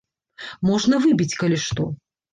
Можна выбіць, калі што.